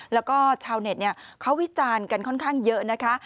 แล้วก็ชาวเน็ตเขาวิจารณ์กันค่อนข้างเยอะนะคะ